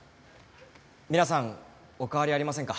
皆さんお変わりありませんか？